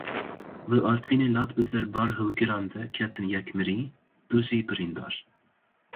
Li Artvînê lat bi ser barhilgiran de ketin yek mirî, du jî birîndar.